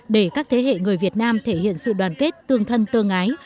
để các thế hệ người việt nam thể hiện sự đoàn kết tương thân tương ái